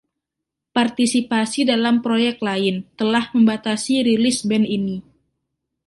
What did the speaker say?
Partisipasi dalam proyek lain telah membatasi rilis band ini.